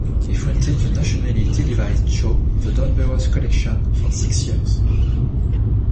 He fronted the nationally televised show "The Don Burrows Collection" for six years.